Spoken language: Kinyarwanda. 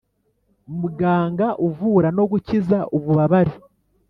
muganga uvura no gukiza ububabare,